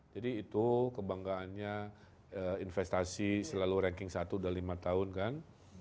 jadi itu kebanggaannya investasi selalu ranking satu udah lima tahun kan